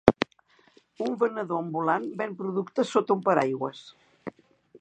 Un venedor ambulant ven productes sota un paraigües.